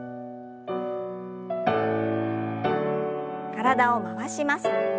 体を回します。